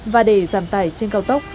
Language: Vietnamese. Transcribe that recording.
và để giảm tải trên cao tốc